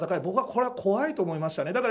僕はこれは怖いと思いましたね。